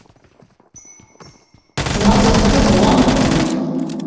Tinazên xwe bi wan bikin.